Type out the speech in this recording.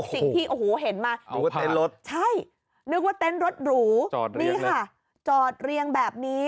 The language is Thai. สิ่งที่โอ้โหเห็นมาเต้นรถใช่นึกว่าเต็นต์รถหรูนี่ค่ะจอดเรียงแบบนี้